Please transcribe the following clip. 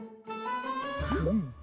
フム。